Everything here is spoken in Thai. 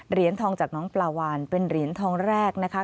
เหรียญทองจากน้องปลาวานเป็นเหรียญทองแรกนะคะ